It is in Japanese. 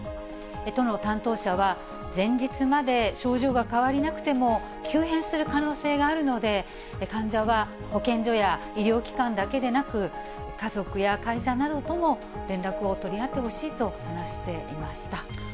都の担当者は、前日まで症状が変わりなくても、急変する可能性があるので、患者は保健所や医療機関だけでなく、家族や会社などとも連絡を取り合ってほしいと話していました。